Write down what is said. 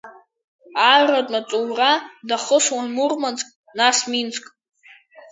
Арратә маҵура дахысуан Мурманск, нас Минск.